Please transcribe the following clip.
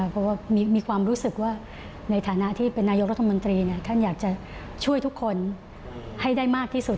เพราะว่ามีความรู้สึกว่าในฐานะที่เป็นนายกรัฐมนตรีท่านอยากจะช่วยทุกคนให้ได้มากที่สุด